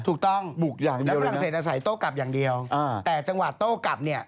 ถูกต้องแล้วฝรั่งเศสอาศัยโต๊ะกับอย่างเดียวแต่จังหวะโต๊ะกับนี่